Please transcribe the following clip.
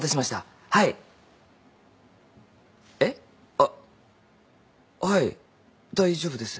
あっはい大丈夫です。